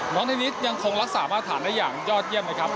ในนิสยังคงรักษามาตรฐานได้อย่างยอดเยี่ยมนะครับ